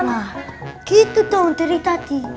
nah gitu dong dari tadi